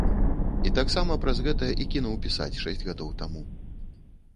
І таксама праз гэта і кінуў піць шэсць гадоў таму.